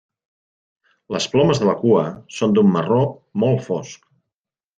Les plomes de la cua són d'un marró molt fosc.